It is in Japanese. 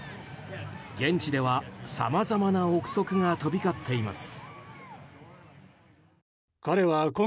現地では、さまざまな憶測が飛び交っています。